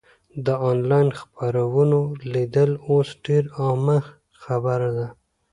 د انلاین خپرونو لیدل اوس ډېره عامه خبره ده.